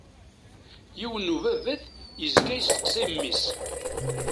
Yiwen n ubabat yezga yesteqsay mmi-s.